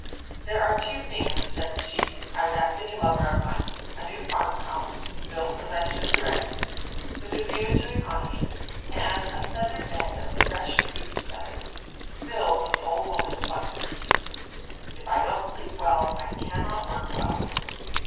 "There are two things," said she, "I would ask of any lover of mine: a new farmhouse, built as I should direct, with a view to economy; and a feather bed of fresh goose feathers, filled when the old woman plucks her geese. If I don't sleep well, I cannot work well."